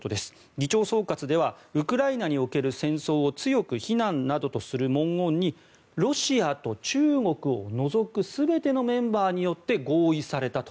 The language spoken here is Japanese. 議長総括ではウクライナにおける戦争を強く非難するという文言にロシアと中国を除く全てのメンバーによって合意されたと。